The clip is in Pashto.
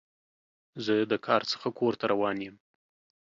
زه د کار څخه کور ته روان یم.